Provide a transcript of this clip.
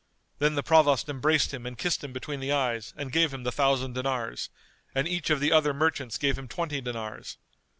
Then the Provost embraced him and kissed him between the eyes and gave him the thousand dinars, and each of the other merchants gave him twenty dinars.